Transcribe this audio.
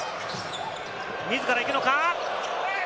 自らいくのか？